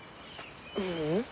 ううん。